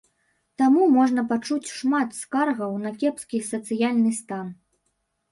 Таму можна пачуць шмат скаргаў на кепскі сацыяльны стан.